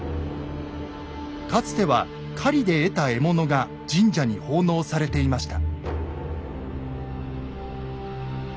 かつては狩りで得た獲物が神社に奉納されていました。